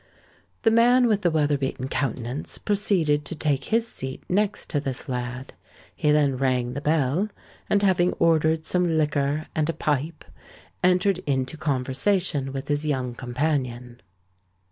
The man with the weather beaten countenance proceeded to take his seat next to this lad: he then rang the bell, and having ordered some liquor and a pipe, entered into conversation with his young companion.